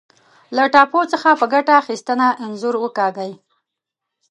له ټاپو څخه په ګټه اخیستنه انځور وکاږئ.